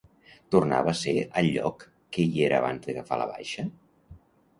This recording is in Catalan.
Tornava a ser al lloc que hi era abans d'agafar la baixa?